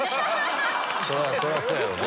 そりゃそうやろな。